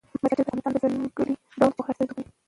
مزارشریف د افغانستان د ځانګړي ډول جغرافیه استازیتوب کوي.